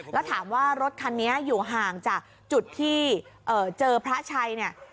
แล้วถามว่ารถคันนี้อยู่ห่างจากจุดที่เจอพระชัยเนี่ย